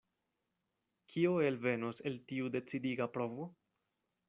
Kio elvenos el tiu decidiga provo?